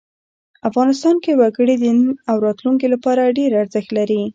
افغانستان کې وګړي د نن او راتلونکي لپاره ډېر ارزښت لري.